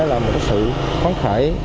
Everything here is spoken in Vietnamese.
là một sự khó khởi